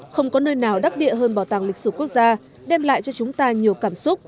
không có nơi nào đắc địa hơn bảo tàng lịch sử quốc gia đem lại cho chúng ta nhiều cảm xúc